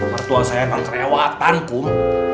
mertua saya tanpa rewatan kum